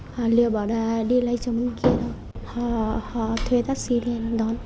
họ lừa bỏ ra đi lấy chồng mình kia họ thuê taxi lên đón